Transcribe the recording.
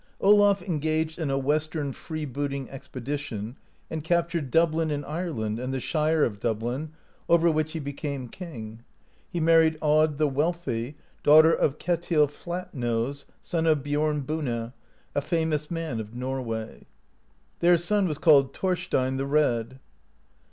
Olaf en gaged in a Western freebooting expedition and captured Dublin in Ireland and the Shire of Dublin, over which he became king (9). He married Aud the Wealthy, daughter of Ketil Flatnose, son of Biorn Buna, a famous man of Norway. Their son was called Thorstein the Red.